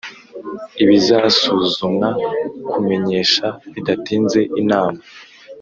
ibizasuzumwa kumenyesha bidatinze Inama